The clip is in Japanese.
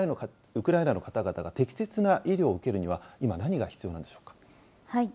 ウクライナの方々が適切な医療を受けるには、今、何が必要なんでしょうか。